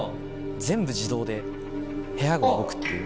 全部自動で部屋が動くっていう。